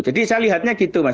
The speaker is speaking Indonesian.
jadi saya lihatnya gitu mas